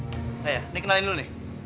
gue yang apologis menengang priadin ampun